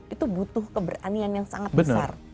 itu butuh keberanian yang sangat besar